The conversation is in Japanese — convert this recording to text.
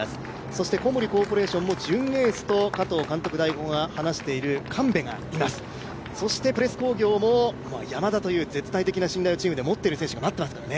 そして、小森コーポレーションも準エースと加藤監督代行が話している神戸がいます、そしてプレス工業も山田という絶対的な信頼を持っている選手が待っていますから。